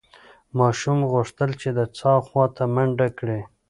ماشوم غوښتل چې د څاه خواته منډه کړي.